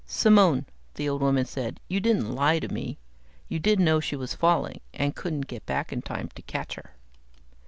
"Simone," the old woman said. "You didn't lie to me? You did know she was falling, and couldn't get back in time to catch her?"